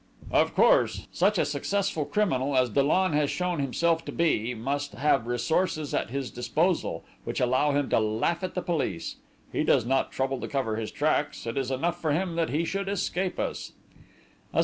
"Of course! Such a successful criminal as Dollon has shown himself to be, must have resources at his disposal, which allow him to laugh at the police. He does not trouble to cover his tracks; it is enough for him that he should escape us."